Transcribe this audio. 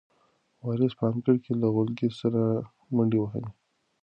وارث په انګړ کې له غولکې سره منډې وهلې.